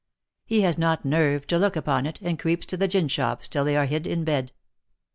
He has not nerve to look upon it, and creeps to the gin shops till they are hid in bed.